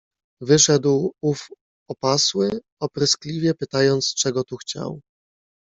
"Wyszedł ów opasły, opryskliwie pytając czego tu chciał."